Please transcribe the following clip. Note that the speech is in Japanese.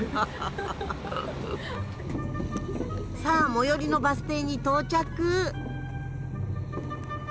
さあ最寄りのバス停に到着。